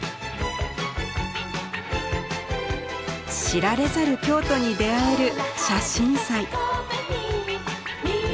知られざる京都に出会える写真祭。